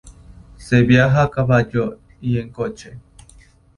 Se viaja a caballo y en coche.